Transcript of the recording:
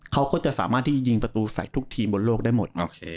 เขาก็จะสามารถที่จะยิงประตูใส่ทุกทีมบนโลกได้หมด